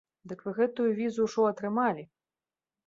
Дык вы гэтую візу ўжо атрымалі.